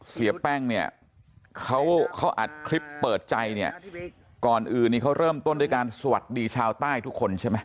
เสียแป้งเนี่ยเขาอัดคลิปเปิดใจเนี่ยก่อนอื่นนี้เขาเริ่มต้นด้วยการสวัสดีชาวใต้ทุกคนใช่ไหม